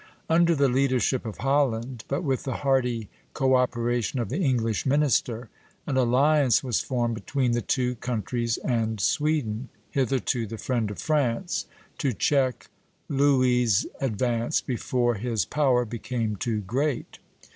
Under the leadership of Holland, but with the hearty co operation of the English minister, an alliance was formed between the two countries and Sweden, hitherto the friend of France, to check Louis' advance before his power became too great.